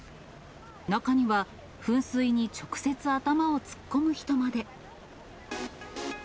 中には、噴水に直接頭を突っ込む人まで。